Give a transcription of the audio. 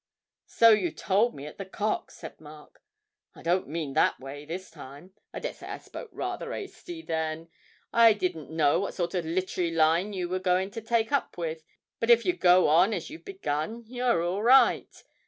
'So you told me at the "Cock,"' said Mark. 'I don't mean that way, this time. I dessay I spoke rather 'asty then; I didn't know what sort of littery line you were going to take up with, but if you go on as you've begun, you're all right.